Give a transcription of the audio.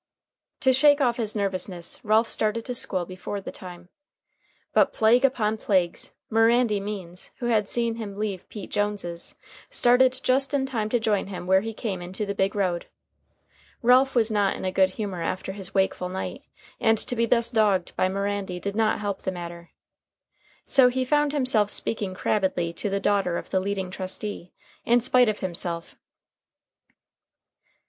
To shake off his nervousness, Ralph started to school before the time. But, plague upon plagues! Mirandy Means, who had seen him leave Pete Jones's, started just in time to join him where he came into the big road. Ralph was not in a good humor after his wakeful night, and to be thus dogged by Mirandy did not help the matter. So he found himself speaking crabbedly to the daughter of the leading trustee, in spite of himself.